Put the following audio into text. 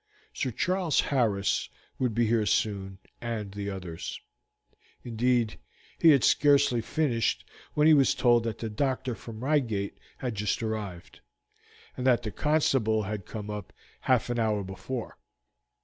Sir Charles Harris would be here soon and the others; indeed, he had scarcely finished when he was told that the doctor from Reigate had just arrived, and that the constable had come up half an hour before.